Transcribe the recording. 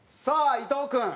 さあ伊藤君。